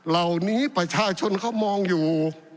เหล่านี้ประชาชนเขามองอยู่